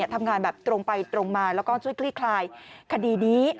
ทำงานแบบตรงไปตรงมาแล้วก็ช่วยคลี่คลายคดีนี้